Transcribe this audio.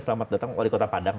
selamat datang wali kota padang